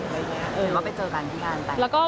เอิญว่าไปเจอกันที่งานแต่ง